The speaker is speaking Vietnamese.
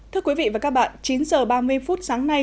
chín h ba mươi sáng nay